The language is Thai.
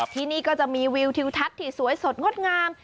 ที่นี่ก็จะมีวิวทิวทัศน์ที่สวยสดงดงาม